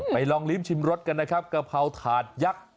ลองลิ้มชิมรสกันนะครับกะเพราถาดยักษ์